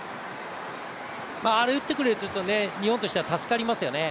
あれを打ってくれるというのは日本としては助かりますよね。